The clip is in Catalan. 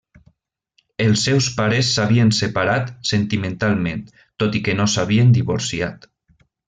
Els seus pares s'havien separat sentimentalment, tot i que no s'havien divorciat.